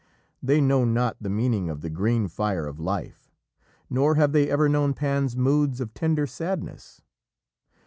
They know not the meaning of "the Green Fire of Life," nor have they ever known Pan's moods of tender sadness.